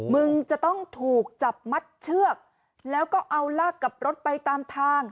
มึงจะต้องถูกจับมัดเชือกแล้วก็เอาลากกับรถไปตามทาง